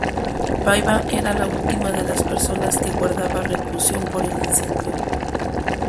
Paiva era la última de las personas que guardaba reclusión por el incendio.